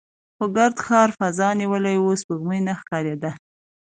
خو ګرد د ښار فضا نیولې وه، سپوږمۍ نه ښکارېده.